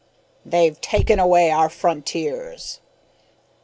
"They've taken away our frontiers!"